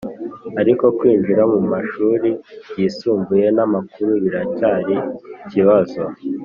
ariko kwinjira mu mashuri yisumbuye n'amakuru biracyari ikibazo